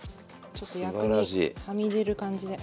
ちょっと薬味はみ出る感じで。